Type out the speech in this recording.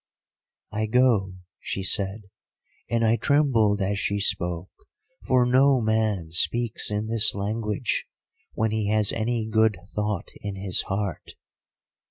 "'I go,' she said, and I trembled as she spoke, for no man speaks in this language when he has any good thought in his heart.